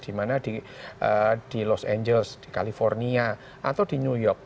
di mana di los angeles di california atau di new york